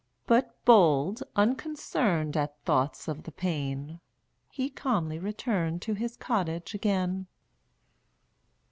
But bold, unconcern'd At thoughts of the pain, He calmly return'd To his cottage again.